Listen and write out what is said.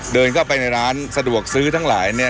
เดินเข้าไปในร้านสะดวกซื้อทั้งหลายเนี่ย